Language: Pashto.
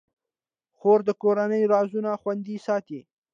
خور د کورنۍ رازونه خوندي ساتي.